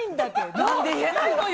なんで言えないのよ。